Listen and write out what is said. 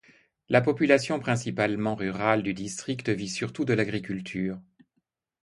La population principalement rurale du district vit surtout de l'agriculture.